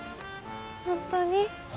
本当に。